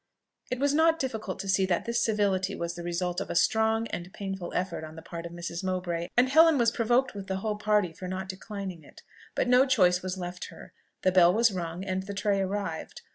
It was not difficult to see that this civility was the result of a strong and painful effort on the part of Mrs. Mowbray, and Helen was provoked with the whole party for not declining it; but no choice was left her the bell was rung, and the tray arrived.